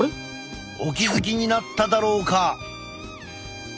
お気付きになっただろうか？